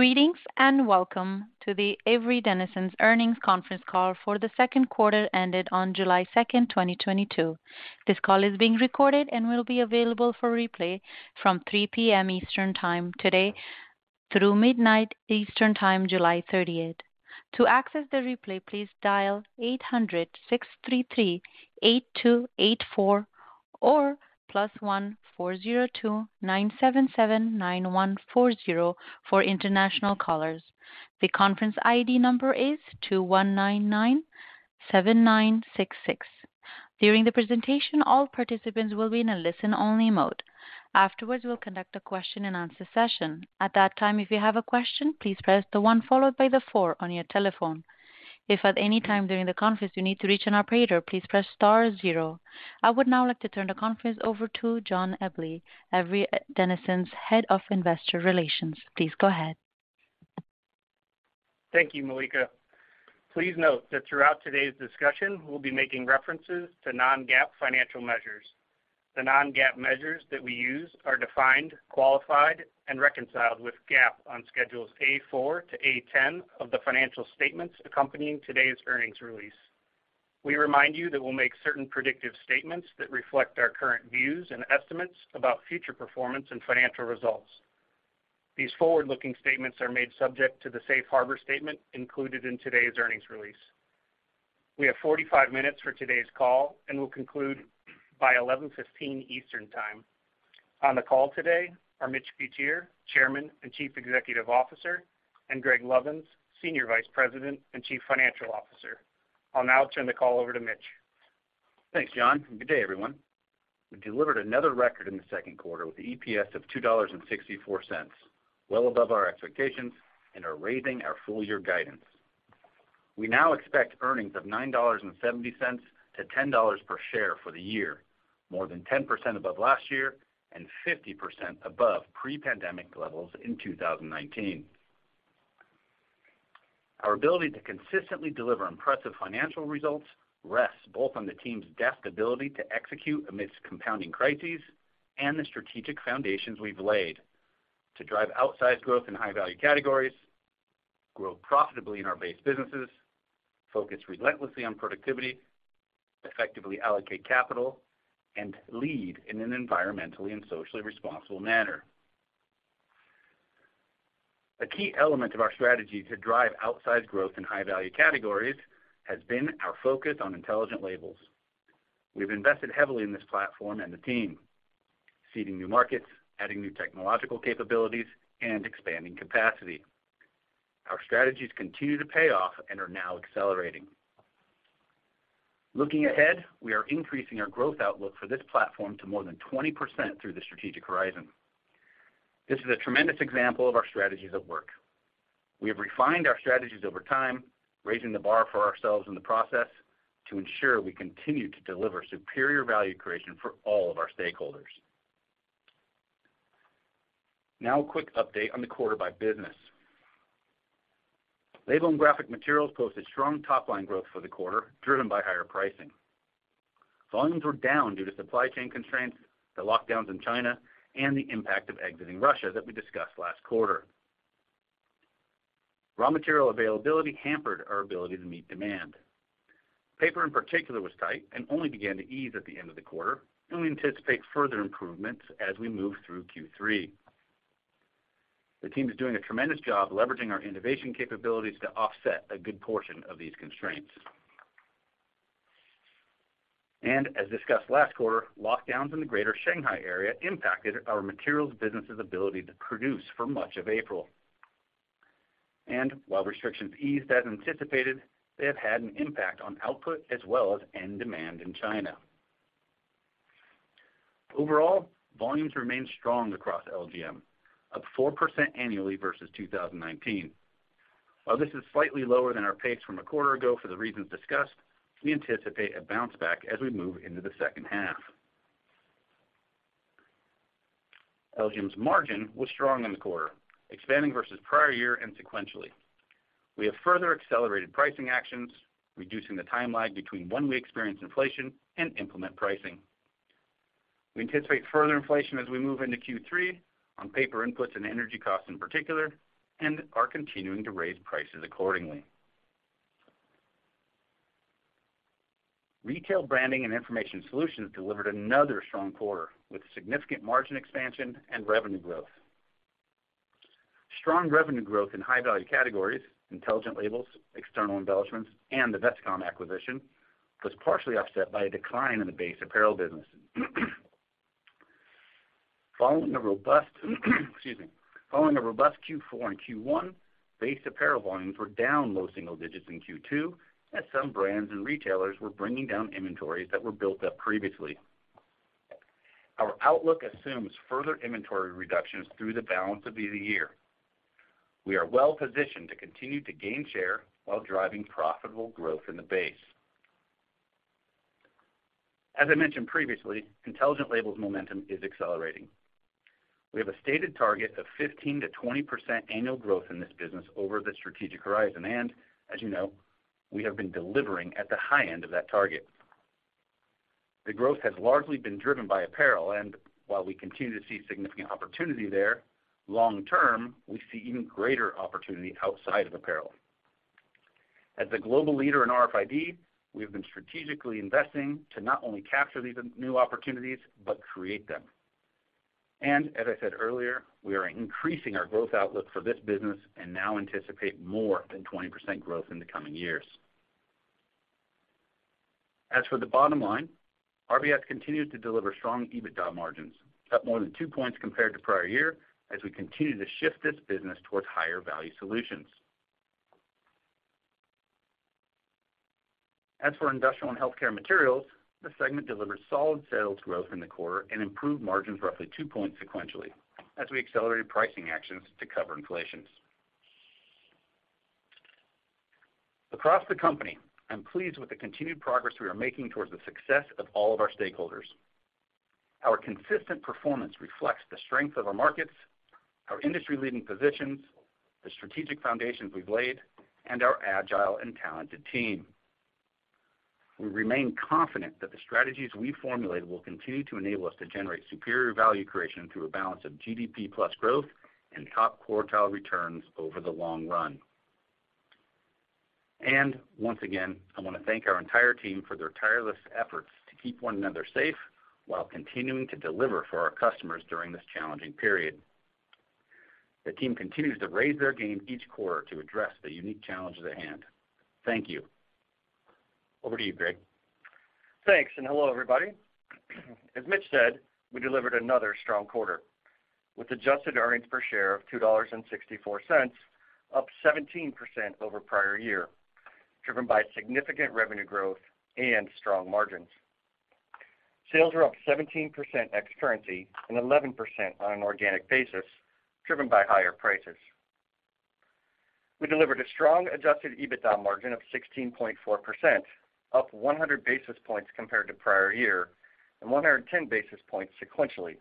Greetings, and welcome to the Avery Dennison Earnings Conference Call for the second quarter ended on July 2nd, 2022. This call is being recorded and will be available for replay from 3:00 P.M. Eastern Time today through 12:00 A.M. Eastern Time, July 30th. To access the replay, please dial 800-six three three-eight two eight four or +1-four zero two-nine seven seven-nine one four zero for international callers. The conference ID number is two one nine nine seven nine six six. During the presentation, all participants will be in a listen-only mode. Afterwards, we'll conduct a question-and-answer session. At that time, if you have a question, please press the one followed by the four on your telephone. If at any time during the conference you need to reach an operator, please press star zero. I would now like to turn the conference over to John Eble, Avery Dennison's Head of Investor Relations. Please go ahead. Thank you, Malika. Please note that throughout today's discussion, we'll be making references to non-GAAP financial measures. The non-GAAP measures that we use are defined, qualified, and reconciled with GAAP on Schedules A-4 to A-10 of the financial statements accompanying today's earnings release. We remind you that we'll make certain predictive statements that reflect our current views and estimates about future performance and financial results. These forward-looking statements are made subject to the safe harbor statement included in today's earnings release. We have 45 minutes for today's call and will conclude by 11:15 A.M. Eastern Time. On the call today are Mitch Butier, Chairman and Chief Executive Officer, and Greg Lovins, Senior Vice President and Chief Financial Officer. I'll now turn the call over to Mitch. Thanks, John, and good day, everyone. We delivered another record in the second quarter with EPS of $2.64, well above our expectations, and are raising our full year guidance. We now expect earnings of $9.70-$10 per share for the year, more than 10% above last year and 50% above pre-pandemic levels in 2019. Our ability to consistently deliver impressive financial results rests both on the team's depth ability to execute amidst compounding crises and the strategic foundations we've laid to drive outsized growth in high-value categories, grow profitably in our base businesses, focus relentlessly on productivity, effectively allocate capital, and lead in an environmentally and socially responsible manner. A key element of our strategy to drive outsized growth in high-value categories has been our focus on intelligent labels. We've invested heavily in this platform and the team, seeding new markets, adding new technological capabilities, and expanding capacity. Our strategies continue to pay off and are now accelerating. Looking ahead, we are increasing our growth outlook for this platform to more than 20% through the strategic horizon. This is a tremendous example of our strategies at work. We have refined our strategies over time, raising the bar for ourselves in the process to ensure we continue to deliver superior value creation for all of our stakeholders. Now a quick update on the quarter by business. Label and Graphic Materials posted strong top-line growth for the quarter, driven by higher pricing. Volumes were down due to supply chain constraints, the lockdowns in China, and the impact of exiting Russia that we discussed last quarter. Raw material availability hampered our ability to meet demand. Paper in particular was tight and only began to ease at the end of the quarter, and we anticipate further improvements as we move through Q3. The team is doing a tremendous job leveraging our innovation capabilities to offset a good portion of these constraints. As discussed last quarter, lockdowns in the Greater Shanghai area impacted our materials business's ability to produce for much of April. While restrictions eased as anticipated, they have had an impact on output as well as end demand in China. Overall, volumes remained strong across LGM, up 4% annually versus 2019. While this is slightly lower than our pace from a quarter ago for the reasons discussed, we anticipate a bounce back as we move into the second half. LGM's margin was strong in the quarter, expanding versus prior year and sequentially. We have further accelerated pricing actions, reducing the time lag between when we experience inflation and implement pricing. We anticipate further inflation as we move into Q3 on paper inputs and energy costs in particular, and are continuing to raise prices accordingly. Retail Branding and Information Solutions delivered another strong quarter with significant margin expansion and revenue growth. Strong revenue growth in high-value categories, Intelligent Labels, external embellishments, and the Vestcom acquisition was partially offset by a decline in the base apparel business. Following a robust Q4 and Q1, base apparel volumes were down low single digits in Q2, as some brands and retailers were bringing down inventories that were built up previously. Our outlook assumes further inventory reductions through the balance of the year. We are well positioned to continue to gain share while driving profitable growth in the base. As I mentioned previously, Intelligent Labels momentum is accelerating. We have a stated target of 15%-20% annual growth in this business over the strategic horizon, and as you know, we have been delivering at the high end of that target. The growth has largely been driven by apparel, and while we continue to see significant opportunity there, long term, we see even greater opportunity outside of apparel. As a global leader in RFID, we have been strategically investing to not only capture these new opportunities, but create them. As I said earlier, we are increasing our growth outlook for this business and now anticipate more than 20% growth in the coming years. As for the bottom line, RBIS continued to deliver strong EBITDA margins, up more than two points compared to prior year as we continue to shift this business towards higher value solutions. As for Industrial and Healthcare Materials, the segment delivered solid sales growth in the quarter and improved margins roughly two points sequentially as we accelerated pricing actions to cover inflation. Across the company, I'm pleased with the continued progress we are making towards the success of all of our stakeholders. Our consistent performance reflects the strength of our markets, our industry-leading positions, the strategic foundations we've laid, and our agile and talented team. We remain confident that the strategies we formulate will continue to enable us to generate superior value creation through a balance of GDP plus growth and top quartile returns over the long run. Once again, I want to thank our entire team for their tireless efforts to keep one another safe while continuing to deliver for our customers during this challenging period. The team continues to raise their game each quarter to address the unique challenges at hand. Thank you. Over to you, Greg. Thanks, hello, everybody. As Mitch said, we delivered another strong quarter with adjusted earnings per share of $2.64, up 17% over prior year, driven by significant revenue growth and strong margins. Sales were up 17% ex currency and 11% on an organic basis, driven by higher prices. We delivered a strong Adjusted EBITDA margin of 16.4%, up 100 basis points compared to prior year, and 110 basis points sequentially,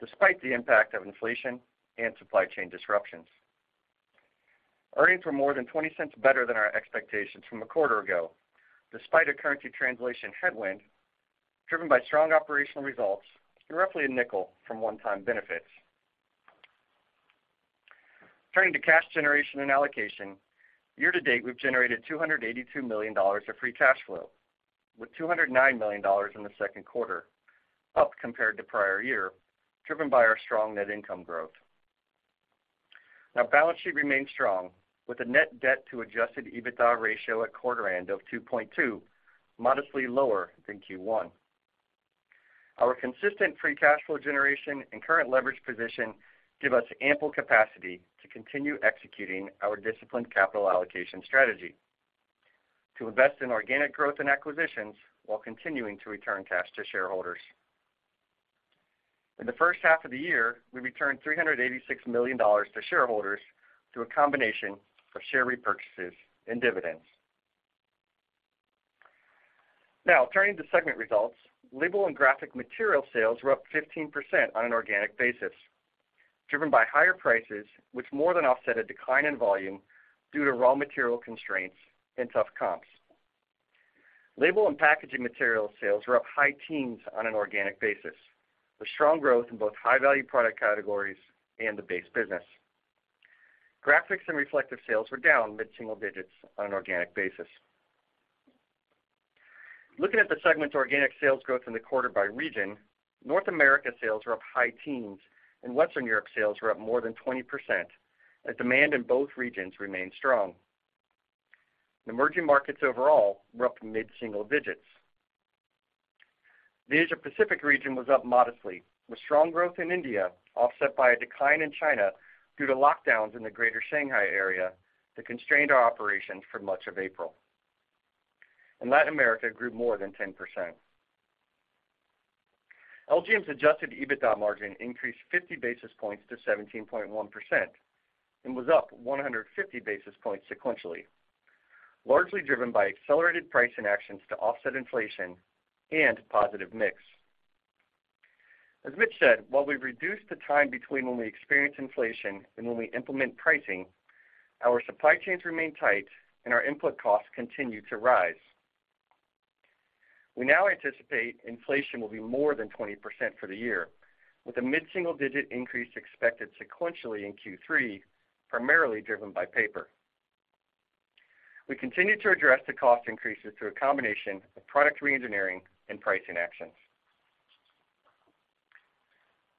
despite the impact of inflation and supply chain disruptions. Earnings were more than $0.20 better than our expectations from a quarter ago, despite a currency translation headwind driven by strong operational results and roughly a nickel from one-time benefits. Turning to cash generation and allocation. Year to date, we've generated $282 million of free cash flow, with $209 million in the second quarter, up compared to prior year, driven by our strong net income growth. Our balance sheet remains strong with a net debt to Adjusted EBITDA ratio at quarter end of 2.2x, modestly lower than Q1. Our consistent free cash flow generation and current leverage position give us ample capacity to continue executing our disciplined capital allocation strategy to invest in organic growth and acquisitions while continuing to return cash to shareholders. In the first half of the year, we returned $386 million to shareholders through a combination of share repurchases and dividends. Now turning to segment results. Label and Graphic Materials sales were up 15% on an organic basis, driven by higher prices, which more than offset a decline in volume due to raw material constraints and tough comps. Label and Packaging Materials sales were up high teens on an organic basis, with strong growth in both high-value product categories and the base business. Graphics and Reflectives sales were down mid-single digits on an organic basis. Looking at the segment's organic sales growth in the quarter by region, North America sales were up high teens and Western Europe sales were up more than 20% as demand in both regions remained strong. The emerging markets overall were up mid-single digits. The Asia Pacific region was up modestly, with strong growth in India offset by a decline in China due to lockdowns in the greater Shanghai area that constrained our operations for much of April. Latin America grew more than 10%. LGM's Adjusted EBITDA margin increased 50 basis points to 17.1% and was up 150 basis points sequentially, largely driven by accelerated pricing actions to offset inflation and positive mix. As Mitch said, while we've reduced the time between when we experience inflation and when we implement pricing, our supply chains remain tight and our input costs continue to rise. We now anticipate inflation will be more than 20% for the year, with a mid-single-digit increase expected sequentially in Q3, primarily driven by paper. We continue to address the cost increases through a combination of product reengineering and pricing actions.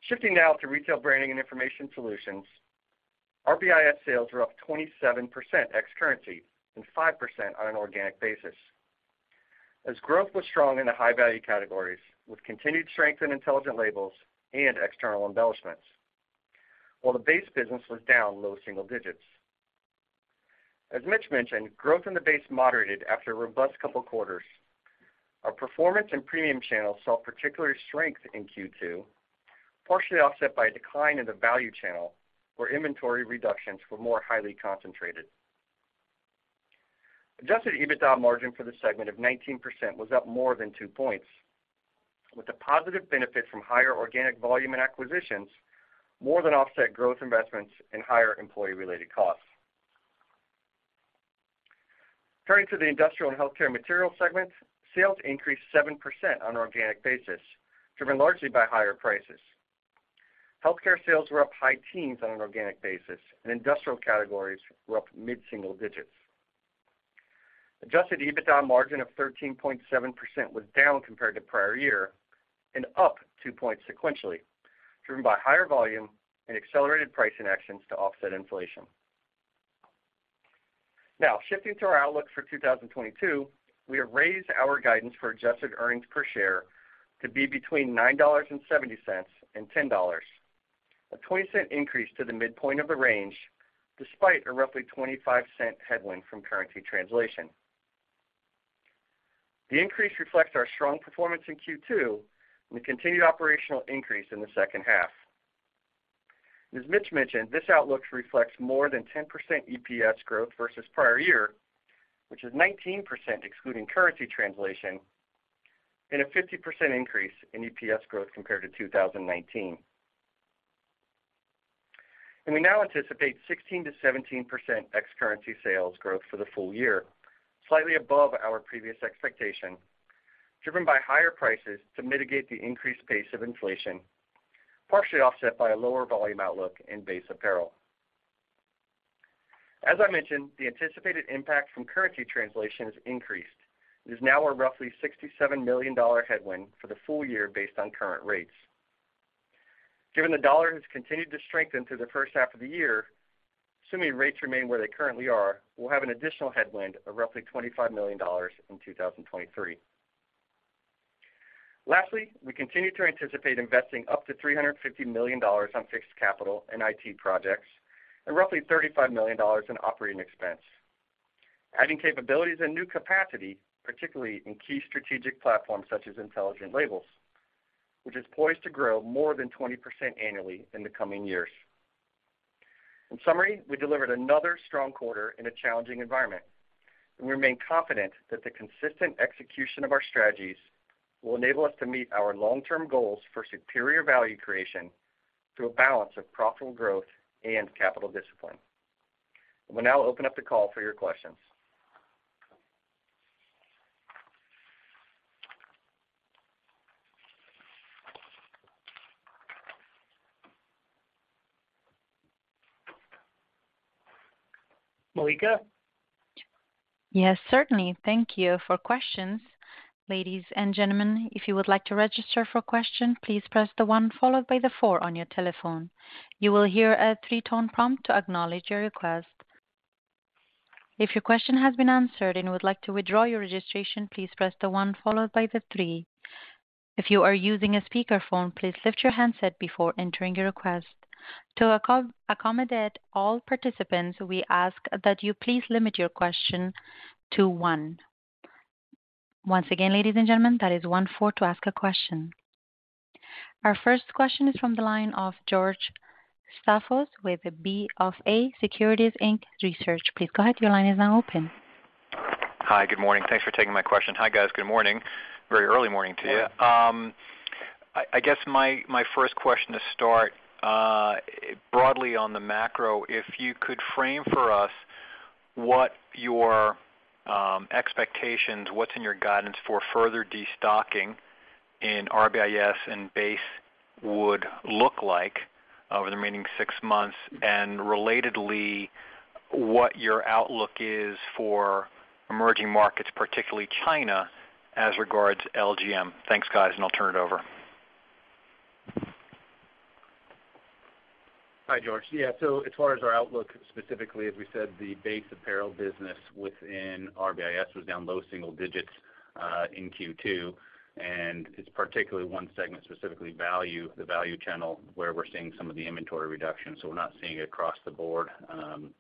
Shifting now to Retail Branding and Information Solutions. RBIS sales were up 27% ex currency and 5% on an organic basis. Growth was strong in the high-value categories with continued strength in Intelligent Labels and external embellishments, while the base business was down low single digits. As Mitch mentioned, growth in the base moderated after a robust couple of quarters. Our performance and premium channels saw particular strength in Q2, partially offset by a decline in the value channel, where inventory reductions were more highly concentrated. Adjusted EBITDA margin for the segment of 19% was up more than two points, with the positive benefit from higher organic volume and acquisitions more than offset growth investments and higher employee-related costs. Turning to the Industrial and Healthcare Materials segment, sales increased 7% on an organic basis, driven largely by higher prices. Healthcare sales were up high teens on an organic basis, and industrial categories were up mid-single digits. Adjusted EBITDA margin of 13.7% was down compared to prior year and up two points sequentially, driven by higher volume and accelerated price and actions to offset inflation. Now, shifting to our outlook for 2022, we have raised our guidance for adjusted earnings per share to be between $9.70 and $10, a $0.20 increase to the midpoint of the range, despite a roughly $0.25 headwind from currency translation. The increase reflects our strong performance in Q2 and the continued operational increase in the second half. As Mitch mentioned, this outlook reflects more than 10% EPS growth versus prior year, which is 19% excluding currency translation and a 50% increase in EPS growth compared to 2019. We now anticipate 16%-17% ex currency sales growth for the full year, slightly above our previous expectation, driven by higher prices to mitigate the increased pace of inflation, partially offset by a lower volume outlook in base apparel. As I mentioned, the anticipated impact from currency translation has increased. It is now a roughly $67 million headwind for the full year based on current rates. Given the dollar has continued to strengthen through the first half of the year, assuming rates remain where they currently are, we'll have an additional headwind of roughly $25 million in 2023. Lastly, we continue to anticipate investing up to $350 million on fixed capital and IT projects and roughly $35 million in operating expense, adding capabilities and new capacity, particularly in key strategic platforms such as Intelligent Labels, which is poised to grow more than 20% annually in the coming years. In summary, we delivered another strong quarter in a challenging environment, and we remain confident that the consistent execution of our strategies will enable us to meet our long-term goals for superior value creation through a balance of profitable growth and capital discipline. We'll now open up the call for your questions. Malika? Yes, certainly. Thank you. For questions, ladies and gentlemen, if you would like to register for a question, please press the one followed by the four on your telephone. You will hear a three-tone prompt to acknowledge your request. If your question has been answered and would like to withdraw your registration, please press the one followed by the three. If you are using a speakerphone, please lift your handset before entering your request. To accommodate all participants, we ask that you please limit your question to one. Once again, ladies and gentlemen, that is one-four to ask a question. Our first question is from the line of George Staphos with BofA Securities Inc Research. Please go ahead. Your line is now open. Hi. Good morning. Thanks for taking my question. Hi, guys. Good morning. Very early morning to you. I guess my first question to start, broadly on the macro, if you could frame for us what your expectations, what's in your guidance for further destocking in RBIS and base would look like over the remaining six months, and relatedly, what your outlook is for emerging markets, particularly China, as regards LGM. Thanks, guys, and I'll turn it over. Hi, George. Yeah. As far as our outlook specifically, as we said, the base apparel business within RBIS was down low single digits in Q2, and it's particularly one segment, specifically value, the value channel, where we're seeing some of the inventory reduction. We're not seeing it across the board,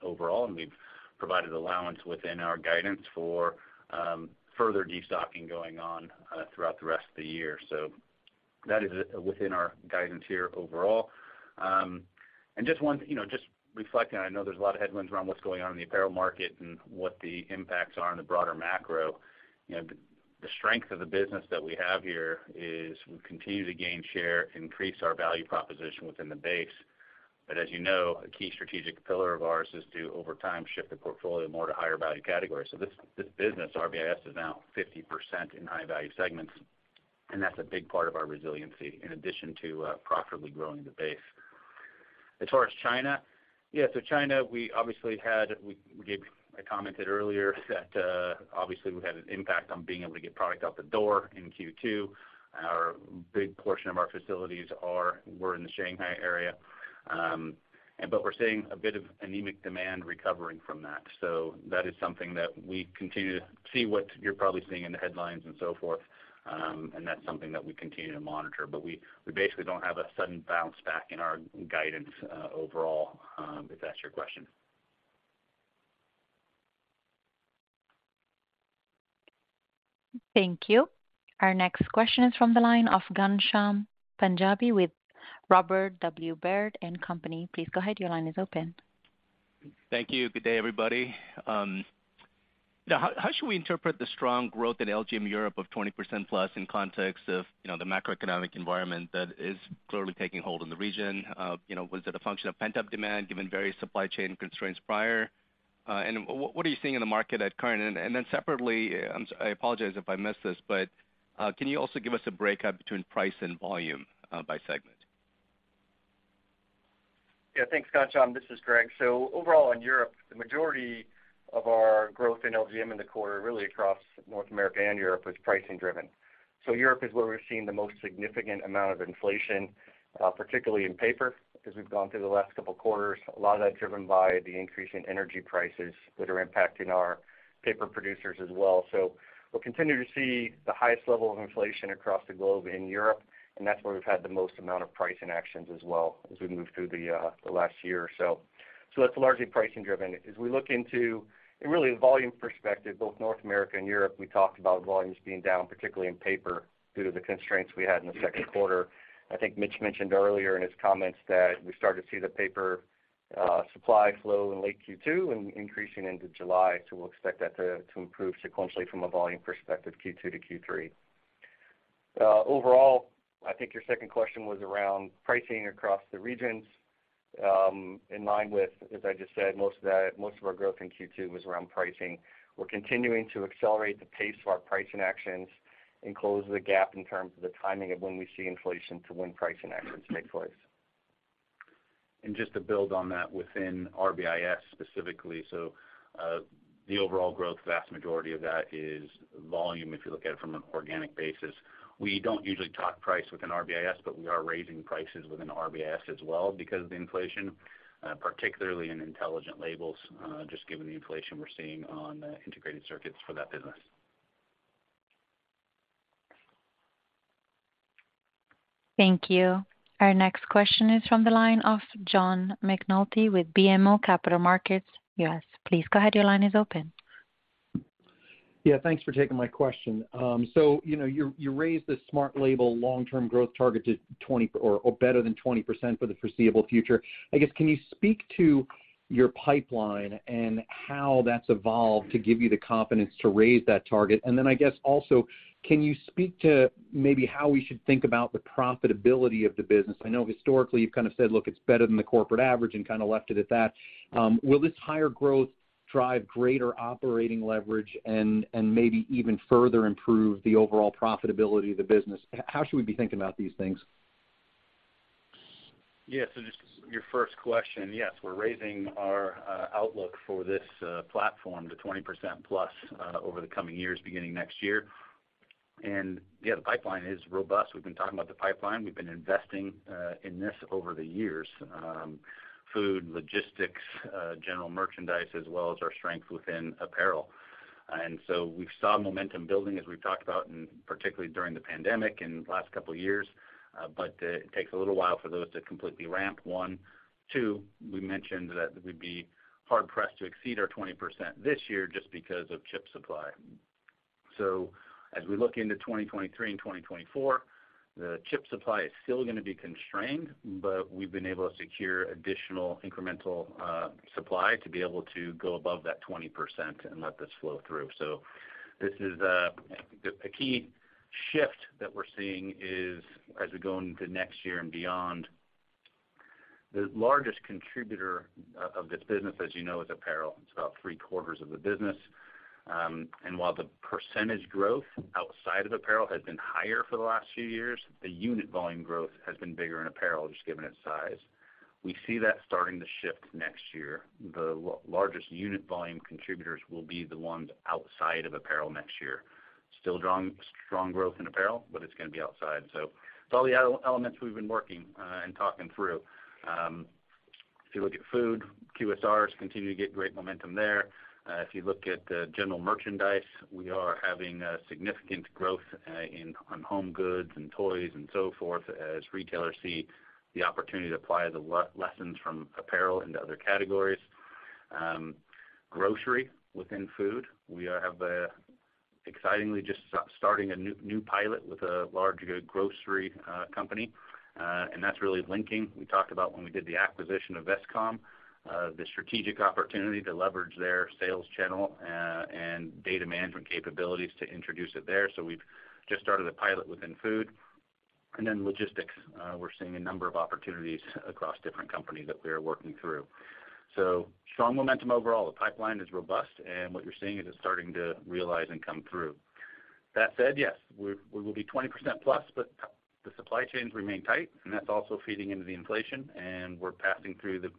overall, and we've provided allowance within our guidance for further destocking going on throughout the rest of the year. That is within our guidance here overall. You know, just reflecting, I know there's a lot of headwinds around what's going on in the apparel market and what the impacts are on the broader macro. You know, the strength of the business that we have here is we continue to gain share, increase our value proposition within the base. As you know, a key strategic pillar of ours is to, over time, shift the portfolio more to higher value categories. This business, RBIS, is now 50% in high value segments, and that's a big part of our resiliency in addition to profitably growing the base. As far as China, we gave a comment earlier that obviously we had an impact on being able to get product out the door in Q2. Our big portion of our facilities were in the Shanghai area. But we're seeing a bit of anemic demand recovering from that. That is something that we continue to see what you're probably seeing in the headlines and so forth. That's something that we continue to monitor. We basically don't have a sudden bounce back in our guidance overall, if that's your question. Thank you. Our next question is from the line of Ghansham Panjabi with Robert W. Baird & Co. Please go ahead. Your line is open. Thank you. Good day, everybody. Now how should we interpret the strong growth in LGM Europe of 20%+ in context of, you know, the macroeconomic environment that is clearly taking hold in the region? You know, was it a function of pent-up demand given various supply chain constraints prior? What are you seeing in the market currently? Then separately, I apologize if I missed this, but can you also give us a breakdown between price and volume, by segment? Yeah. Thanks, Ghansham, this is Greg. Overall in Europe, the majority of our growth in LGM in the quarter, really across North America and Europe, was pricing driven. Europe is where we're seeing the most significant amount of inflation, particularly in paper as we've gone through the last couple quarters. A lot of that's driven by the increase in energy prices that are impacting our paper producers as well. We'll continue to see the highest level of inflation across the globe in Europe, and that's where we've had the most amount of pricing actions as well as we move through the last year or so. That's largely pricing driven. As we look into really the volume perspective, both North America and Europe, we talked about volumes being down, particularly in paper, due to the constraints we had in the second quarter. I think Mitch mentioned earlier in his comments that we started to see the paper supply flow in late Q2 and increasing into July to expect that to improve sequentially from a volume perspective, Q2 to Q3. Overall, I think your second question was around pricing across the regions, in line with, as I just said, most of our growth in Q2 was around pricing. We're continuing to accelerate the pace of our pricing actions and close the gap in terms of the timing of when we see inflation to when pricing actions take place. Just to build on that within RBIS specifically. The overall growth, vast majority of that is volume, if you look at it from an organic basis. We don't usually talk price within RBIS, but we are raising prices within RBIS as well because of the inflation, particularly in Intelligent Labels, just given the inflation we're seeing on integrated circuits for that business. Thank you. Our next question is from the line of John McNulty with BMO Capital Markets, U.S. Please go ahead, your line is open. Yeah, thanks for taking my question. So, you know, you raised the smart label long-term growth target to 20% or better than 20% for the foreseeable future. I guess, can you speak to your pipeline and how that's evolved to give you the confidence to raise that target? Then I guess also, can you speak to maybe how we should think about the profitability of the business? I know historically you've kind of said, "Look, it's better than the corporate average," and kind of left it at that. Will this higher growth drive greater operating leverage and maybe even further improve the overall profitability of the business? How should we be thinking about these things? Yeah. Just your first question. Yes, we're raising our outlook for this platform to 20%+ over the coming years, beginning next year. Yeah, the pipeline is robust. We've been talking about the pipeline. We've been investing in this over the years, food, logistics, general merchandise, as well as our strength within apparel. We've saw momentum building, as we've talked about, and particularly during the pandemic in the last couple of years. It takes a little while for those to completely ramp, one. Two, we mentioned that we'd be hard pressed to exceed our 20% this year just because of chip supply. As we look into 2023 and 2024, the chip supply is still gonna be constrained, but we've been able to secure additional incremental supply to be able to go above that 20% and let this flow through. This is a key shift that we're seeing as we go into next year and beyond. The largest contributor of this business, as you know, is apparel. It's about three quarters of the business. While the percentage growth outside of apparel has been higher for the last few years, the unit volume growth has been bigger in apparel, just given its size. We see that starting to shift next year. The largest unit volume contributors will be the ones outside of apparel next year. Still strong growth in apparel, but it's gonna be outside. It's all the elements we've been working and talking through. If you look at food, QSRs continue to get great momentum there. If you look at general merchandise, we are having significant growth in home goods and toys and so forth as retailers see the opportunity to apply the lessons from apparel into other categories. Grocery within food, we have excitingly just starting a new pilot with a large grocery company, and that's really linking. We talked about when we did the acquisition of Vestcom, the strategic opportunity to leverage their sales channel and data management capabilities to introduce it there. We've just started a pilot within food. Logistics, we're seeing a number of opportunities across different companies that we are working through. Strong momentum overall. The pipeline is robust, and what you're seeing is it's starting to realize and come through. That said, yes, we will be 20%+, but the supply chains remain tight, and that's also feeding into the inflation, and we're passing through the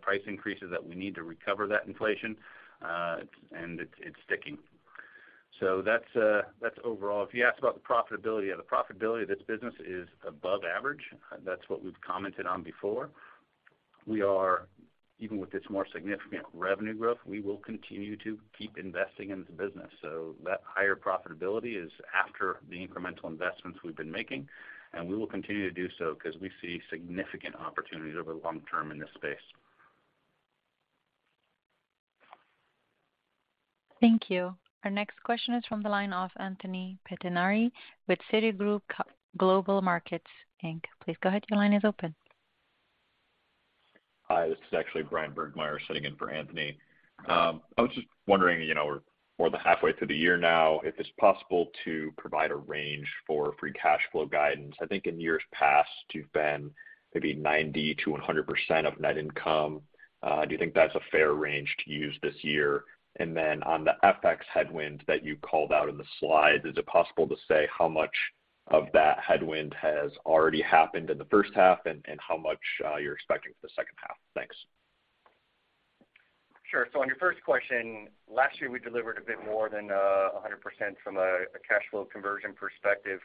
price increases that we need to recover that inflation, and it's sticking. That's overall. If you ask about the profitability, the profitability of this business is above average. That's what we've commented on before. We are, even with this more significant revenue growth, we will continue to keep investing in the business. That higher profitability is after the incremental investments we've been making, and we will continue to do so 'cause we see significant opportunities over the long term in this space. Thank you. Our next question is from the line of Anthony Pettinari with Citigroup Global Markets Inc. Please go ahead, your line is open. Hi, this is actually Bryan Burgmeier sitting in for Anthony. I was just wondering, you know, we're more than halfway through the year now, if it's possible to provide a range for free cash flow guidance. I think in years past, you've been maybe 90%-100% of net income. Do you think that's a fair range to use this year? On the FX headwind that you called out in the slide, is it possible to say how much of that headwind has already happened in the first half and how much you're expecting for the second half? Thanks. Sure. On your first question, last year, we delivered a bit more than 100% from a cash flow conversion perspective.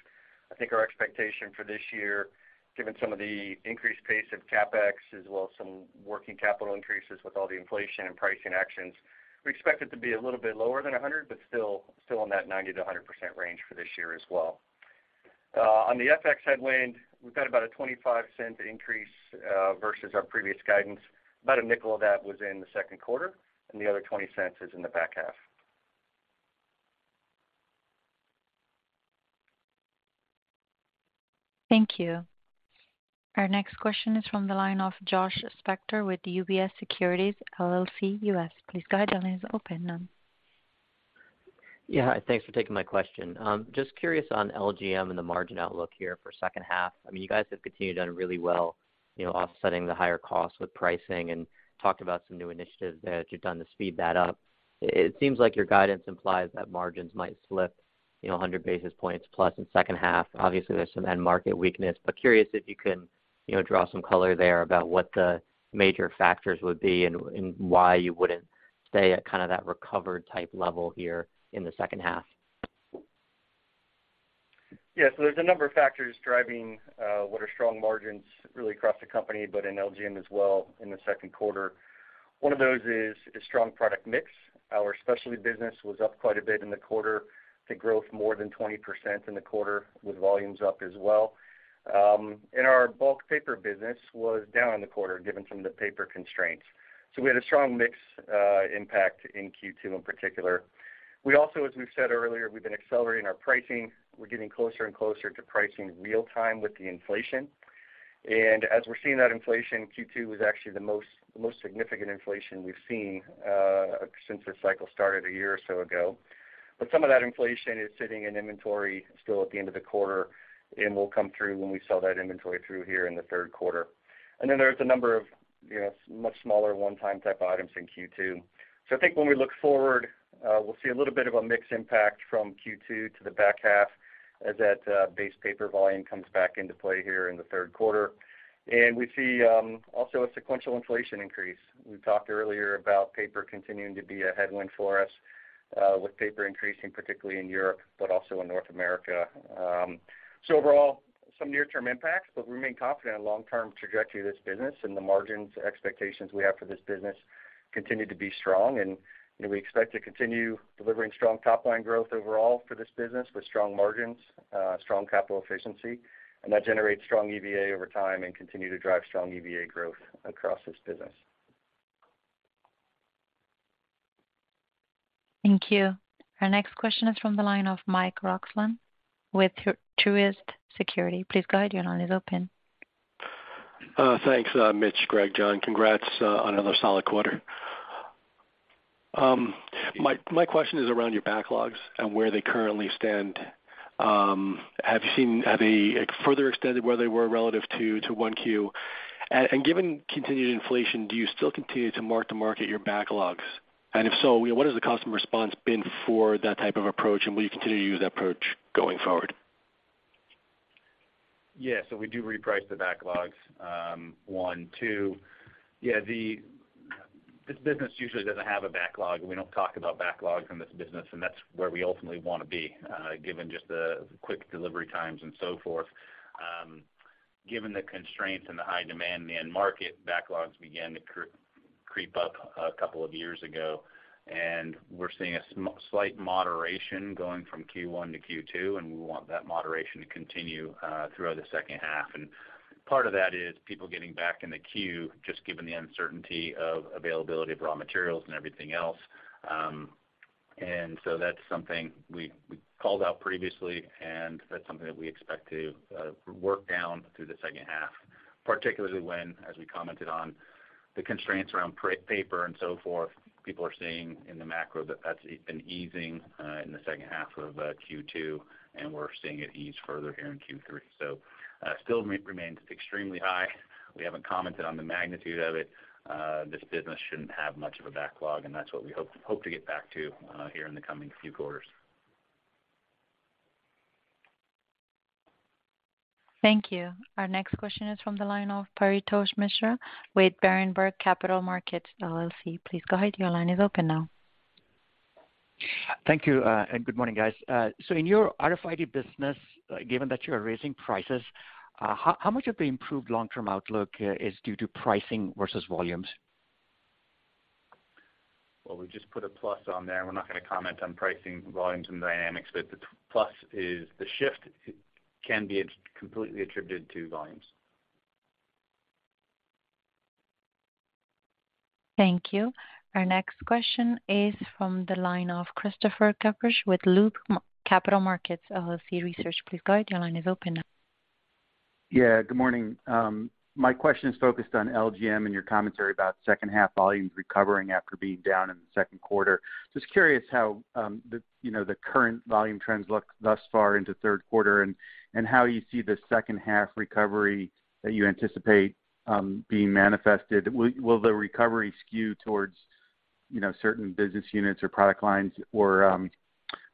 I think our expectation for this year, given some of the increased pace of CapEx, as well as some working capital increases with all the inflation and pricing actions, we expect it to be a little bit lower than 100%, but still in that 90%-100% range for this year as well. On the FX headwind, we've got about a $0.25 increase versus our previous guidance. About $0.05 of that was in the second quarter, and the other $0.20 is in the back half. Thank you. Our next question is from the line of Josh Spector with the UBS Securities LLC, U.S. Please go ahead. Your line is open now. Yeah. Hi, thanks for taking my question. Just curious on LGM and the margin outlook here for second half. I mean, you guys have continued to done really well, you know, offsetting the higher costs with pricing and talked about some new initiatives that you've done to speed that up. It seems like your guidance implies that margins might slip, you know, 100 basis points plus in second half. Obviously, there's some end market weakness, but curious if you can, you know, draw some color there about what the major factors would be and why you wouldn't stay at kind of that recovered type level here in the second half. Yeah. There's a number of factors driving what are strong margins really across the company, but in LGM as well in the second quarter. One of those is strong product mix. Our specialty business was up quite a bit in the quarter. I think growth more than 20% in the quarter with volumes up as well. And our bulk paper business was down in the quarter given some of the paper constraints. We had a strong mix impact in Q2 in particular. We also, as we've said earlier, we've been accelerating our pricing. We're getting closer and closer to pricing real time with the inflation. As we're seeing that inflation, Q2 was actually the most significant inflation we've seen since the cycle started a year or so ago. Some of that inflation is sitting in inventory still at the end of the quarter and will come through when we sell that inventory through here in the third quarter. There's a number of, you know, much smaller one-time type items in Q2. I think when we look forward, we'll see a little bit of a mix impact from Q2 to the back half as that base paper volume comes back into play here in the third quarter. We see also a sequential inflation increase. We talked earlier about paper continuing to be a headwind for us, with paper increasing, particularly in Europe, but also in North America. Overall, some near-term impacts, but we remain confident in long-term trajectory of this business and the margins expectations we have for this business continue to be strong. you know, we expect to continue delivering strong top line growth overall for this business with strong margins, strong capital efficiency, and that generates strong EVA over time and continue to drive strong EVA growth across this business. Thank you. Our next question is from the line of Mike Roxland with Truist Securities. Please go ahead. Your line is open. Thanks, Mitch, Greg, John. Congrats on another solid quarter. My question is around your backlogs and where they currently stand. Have they further extended where they were relative to 1Q? And given continued inflation, do you still continue to mark-to-market your backlogs? And if so, you know, what has the customer response been for that type of approach, and will you continue to use that approach going forward? Yeah. We do reprice the backlogs. This business usually doesn't have a backlog. We don't talk about backlogs in this business, and that's where we ultimately wanna be, given just the quick delivery times and so forth. Given the constraints and the high demand in the end market, backlogs began to creep up a couple of years ago, and we're seeing a slight moderation going from Q1 to Q2, and we want that moderation to continue, throughout the second half. Part of that is people getting back in the queue, just given the uncertainty of availability of raw materials and everything else. That's something we called out previously, and that's something that we expect to work down through the second half, particularly when, as we commented on, the constraints around paper and so forth. People are seeing in the macro that that's been easing in the second half of Q2, and we're seeing it ease further here in Q3. Still remains extremely high. We haven't commented on the magnitude of it. This business shouldn't have much of a backlog, and that's what we hope to get back to here in the coming few quarters. Thank you. Our next question is from the line of Paretosh Misra with Berenberg Capital Markets LLC. Please go ahead. Your line is open now. Thank you, and good morning, guys. In your RFID business, given that you are raising prices, how much of the improved long-term outlook is due to pricing versus volumes? Well, we just put a plus on there. We're not gonna comment on pricing, volumes and dynamics, but the plus is the shift can be not completely attributed to volumes. Thank you. Our next question is from the line of Christopher Kapsch with Loop Capital Markets LLC. Please go ahead. Your line is open now. Yeah, good morning. My question is focused on LGM and your commentary about second half volumes recovering after being down in the second quarter. Just curious how, you know, the current volume trends look thus far into third quarter and how you see the second half recovery that you anticipate being manifested. Will the recovery skew towards, you know, certain business units or product lines? Or,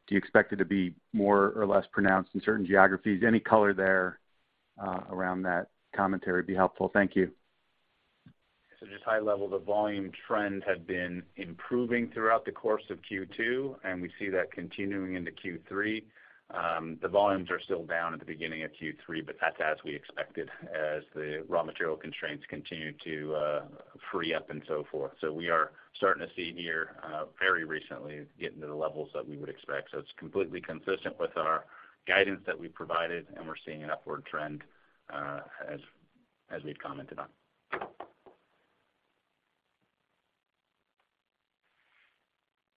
do you expect it to be more or less pronounced in certain geographies? Any color there around that commentary would be helpful. Thank you. Just high level, the volume trend had been improving throughout the course of Q2, and we see that continuing into Q3. The volumes are still down at the beginning of Q3, but that's as we expected as the raw material constraints continue to free up and so forth. We are starting to see here very recently getting to the levels that we would expect. It's completely consistent with our guidance that we provided, and we're seeing an upward trend as we've commented on.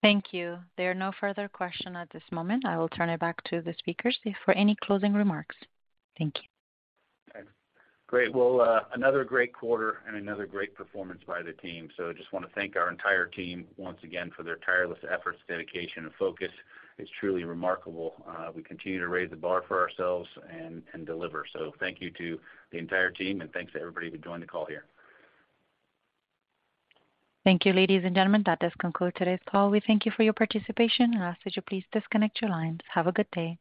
Thank you. There are no further questions at this moment. I will turn it back to the speakers for any closing remarks. Thank you. Okay, great. Well, another great quarter and another great performance by the team. Just wanna thank our entire team once again for their tireless efforts, dedication, and focus. It's truly remarkable. We continue to raise the bar for ourselves and deliver. Thank you to the entire team, and thanks to everybody who joined the call here. Thank you, ladies and gentlemen. That does conclude today's call. We thank you for your participation and ask that you please disconnect your lines. Have a good day.